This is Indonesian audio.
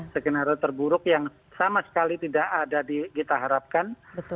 skenario terburuk yang sama sekali tidak ada kita harapkan